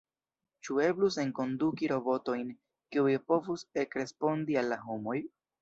Ĉu eblus enkonduki robotojn, kiuj povus ekrespondi al la homoj?